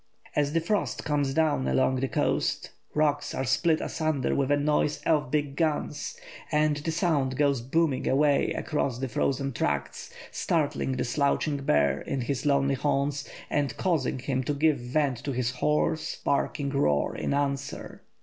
As the frost comes down along the coast, rocks are split asunder with a noise of big guns, and the sound goes booming away across the frozen tracts, startling the slouching bear in his lonely haunts, and causing him to give vent to his hoarse, barking roar in answer.